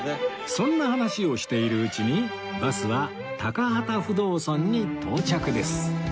そんな話をしているうちにバスは高幡不動尊に到着です